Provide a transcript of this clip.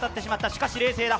しかし冷静だ